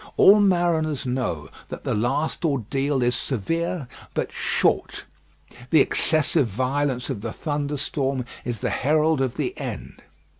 All mariners know that the last ordeal is severe, but short. The excessive violence of the thunderstorm is the herald of the end.